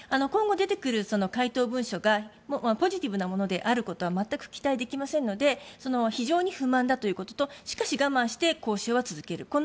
今後出てくる回答文書がポジティブなものであることは全く期待できませんので非常に不満だということとしかし、我慢して交渉は続ける。